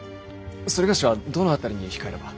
それがしはどの辺りに控えれば。